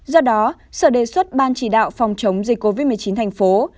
do đó sở đề xuất ban chỉ đạo phòng chống dịch covid một mươi chín thành phố